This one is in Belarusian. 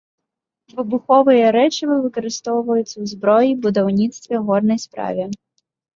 Выбуховыя рэчывы выкарыстоўваюцца ў зброі, будаўніцтве, горнай справе.